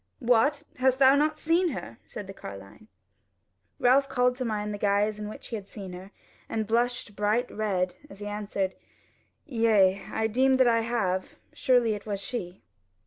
"What! hast thou not seen her?" said the carline. Ralph called to mind the guise in which he had seen her and flushed bright red, as he answered: "Yea, I deem that I have: surely it was she."